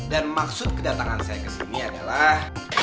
dan maksud kedatangan saya kesini adalah